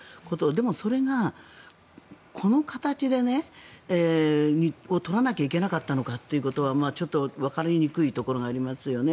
でもそれがこの形を取らなきゃいけなかったのかというところはちょっとわかりにくいところがありますよね。